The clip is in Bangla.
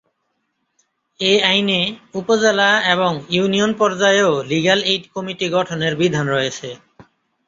এ আইনে উপজেলা এবং ইউনিয়ন পর্যায়েও লিগ্যাল এইড কমিটি গঠনের বিধান রয়েছে।